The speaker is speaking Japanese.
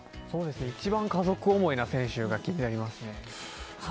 一番家族思いな選手が気になります。